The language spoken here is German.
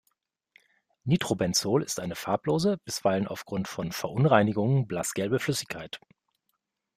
Nitrobenzol ist eine farblose, bisweilen aufgrund von Verunreinigungen blassgelbe Flüssigkeit.